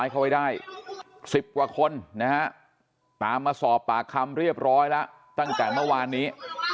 กว่าคนนะฮะตามมาสอบปากคำเรียบร้อยแล้วตั้งจากเมื่อวานนี้